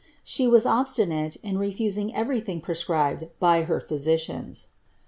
" She was obstinate in refusing everything prescribed by her phy aieianf.